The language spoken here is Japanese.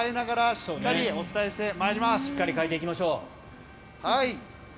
しっかり替えていきましょう。